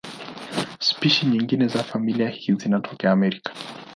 Spishi nyingine za familia hii zinatokea Amerika.